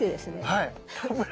はい。